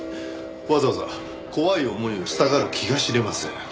わざわざ怖い思いをしたがる気が知れません。